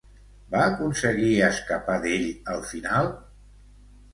Va aconseguir escapar d'ell al final?